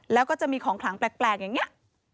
แล้วก็จะมีของขลังแปลกอย่างนี้